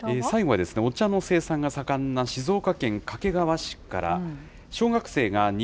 最後は、お茶の生産が盛んな静岡県掛川市から。